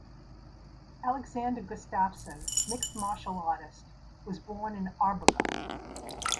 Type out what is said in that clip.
Alexander Gustafsson, mixed martial artist, was born in Arboga.